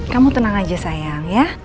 kamu tenang aja sayang ya